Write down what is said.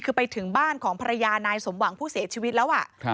คือไปถึงบ้านของภรรยานายสมหวังผู้เสียชีวิตแล้ว